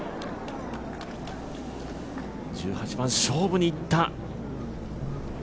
１８番、勝負にいった。